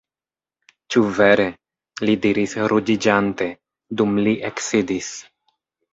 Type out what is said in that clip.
Ĉu vere? li diris ruĝiĝante, dum li eksidis.